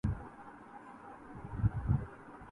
ڈالا نہ بیکسی نے کسی سے معاملہ